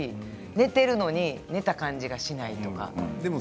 寝ているのに寝た感じがしないとか。